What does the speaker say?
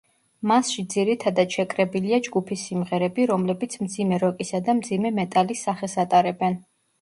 მასში ძირითადად შეკრებილია ჯგუფის სიმღერები, რომლებიც მძიმე როკისა და მძიმე მეტალის სახეს ატარებენ.